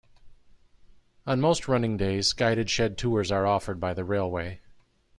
On most running days, guided shed tours are offered by the railway.